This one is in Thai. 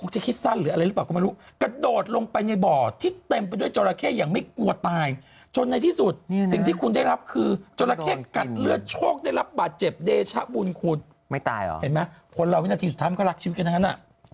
ไม่ตายหรอเห็นมั้ยคนเรามีนาทีสุดท้ายมันก็รักชีวิตกันด้านนั้น